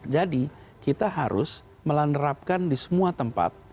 jadi kita harus melanrapkan di semua tempat